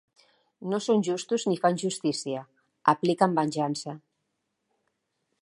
No són justos ni fan justícia, apliquen venjança.